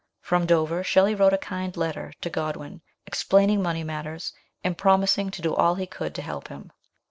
From Dover Shelley wrote a kind letter to Godwin, explaining money matters, and promising to do all he could to help him.